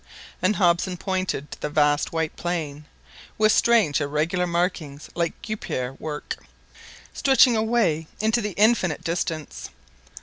And Hobson pointed to the vast white plain, with strange irregular markings like guipure work, stretching away into the infinite distance.